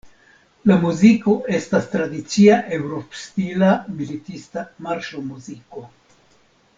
La muziko estas tradicia eŭrop-stila militista marŝo-muziko.